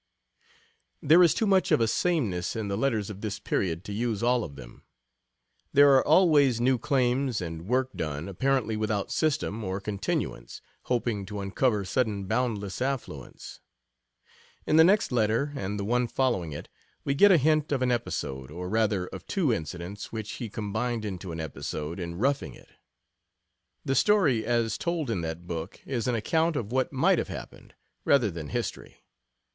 There is too much of a sameness in the letters of this period to use all of them. There are always new claims, and work done, apparently without system or continuance, hoping to uncover sudden boundless affluence. In the next letter and the one following it we get a hint of an episode, or rather of two incidents which he combined into an episode in Roughing It. The story as told in that book is an account of what might have happened, rather than history.